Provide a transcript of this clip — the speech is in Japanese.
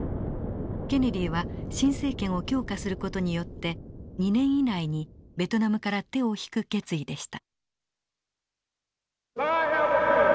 ケネディは新政権を強化する事によって２年以内にベトナムから手を引く決意でした。